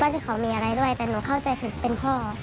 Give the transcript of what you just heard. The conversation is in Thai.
ที่เขามีอะไรด้วยแต่หนูเข้าใจผิดเป็นพ่อ